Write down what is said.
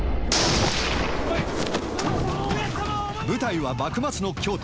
舞台は幕末の京都。